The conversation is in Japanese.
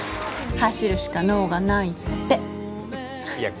走るしか能がないって。